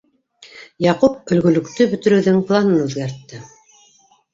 Яҡуп «өлгө»лөктө бөтөрөүҙең планын үҙгәртте.